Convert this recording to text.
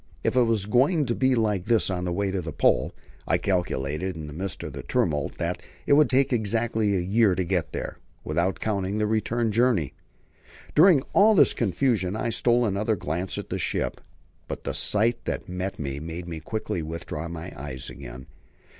If it was going to be like this on the way to the Pole, I calculated in the midst of the tumult that it would take exactly a year to get there, without counting the return journey. During all this confusion I stole another glance at the ship, but the sight that met me made me quickly withdraw my eyes again.